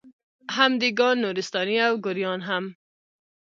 هم دېګان، نورستاني او ګوریان هم